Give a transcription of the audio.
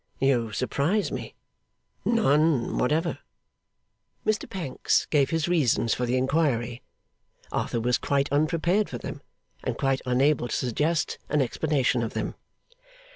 'You surprise me! None whatever.' Mr Pancks gave his reasons for the inquiry. Arthur was quite unprepared for them, and quite unable to suggest an explanation of them.